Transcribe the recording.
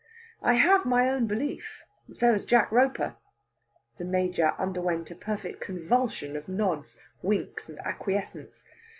I have my own belief; so has Jack Roper." The Major underwent a perfect convulsion of nods, winks, and acquiescence.